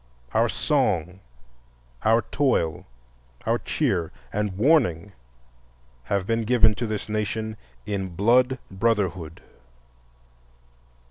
Our song, our toil, our cheer, and warning have been given to this nation in blood brotherhood.